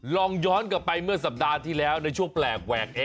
ลองย้อนกลับไปเมื่อสัปดาห์ที่แล้วในช่วงแปลกแหวก